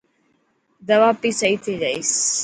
دوا پي سهي ٿي جائيس.